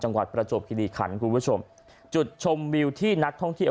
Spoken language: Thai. จังหวัดประโจปท์กิริขันท์คุณผู้ชมจุดชมวิวที่นักท่องที่